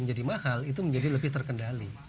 menjadi mahal itu menjadi lebih terkendali